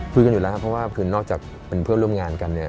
คุยกันอยู่แล้วครับเพราะว่าคือนอกจากเป็นเพื่อนร่วมงานกันเนี่ย